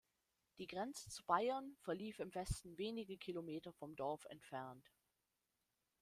Die Grenze zu Bayern verlief im Westen wenige Kilometer vom Dorf entfernt.